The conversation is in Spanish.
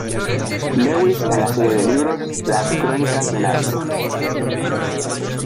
Lewis en la serie de libros "Las Crónicas de Narnia".